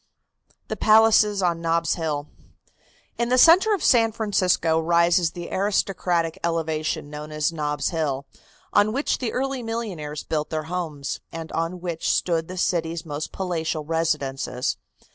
THE PALACES ON NOB'S HILL. In the centre of San Francisco rises the aristocratic elevation known as Nob's Hill, on which the early millionaires built their homes, and on which stood the city's most palatial residences.